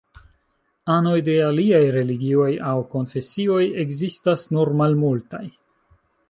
Anoj de aliaj religioj aŭ konfesioj ekzistas nur malmultaj.